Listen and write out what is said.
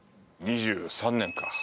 ２３年か。